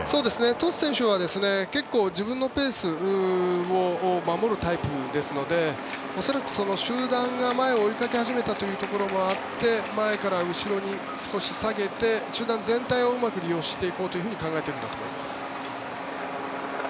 トス選手は結構、自分のペースを守るタイプですので恐らく集団が前を追いかけ始めたというところもあって前から後ろに少し下げて集団全体をうまく使おうと考えているんだと思います。